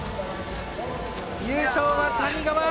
優勝は谷川！